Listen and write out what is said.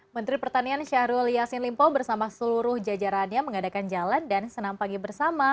menteri pertanian syahrul yassin limpo bersama seluruh jajarannya mengadakan jalan dan senam pagi bersama